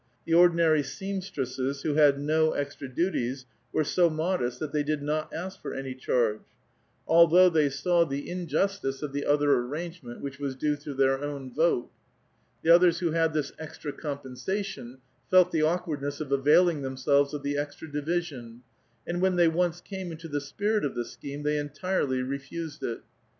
The ordinary Beamstresses who had no extra duties were so modest that they did not ask for any charge, altiiough they saw the in 178 A VITAL QUESTION, justice of the other arrangement, which was due to their own vote ; the others who had this extra compensation felt the awkwarchit'ss of availing themselves of tlie extra division, and when they once came into the spirit of the scheme, they entirely refused it.